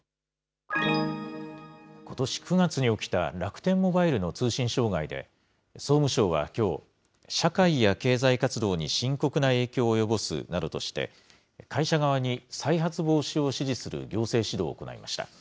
ことし９月に起きた楽天モバイルの通信障害で、総務省はきょう、社会や経済活動に深刻な影響を及ぼすなどとして、会社側に再発防止を指示する行政指導を行いました。